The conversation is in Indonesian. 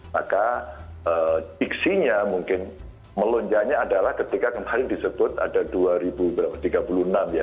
maka diksinya mungkin melonjaknya adalah ketika kemarin disebut ada dua ribu tiga puluh enam ya